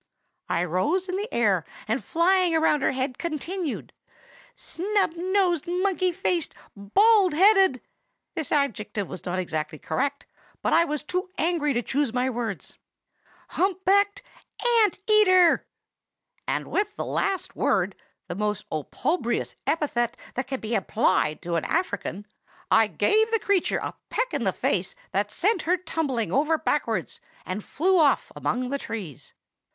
"I rose in the air, and flying round her head, continued—'Snub nosed, monkey faced, bald headed [this adjective was not exactly correct, but I was too angry to choose my words], hump backed Ant eater!!!' and with the last word, the most opprobrious epithet that can be applied to an African, I gave the creature a peck in the face that sent her tumbling over backwards, and flew off among the trees.